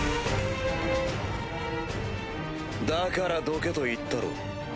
だからどけと言ったろ。